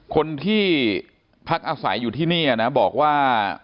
คนที่พักอาศัยอยู่ที่นี่นะบอกว่า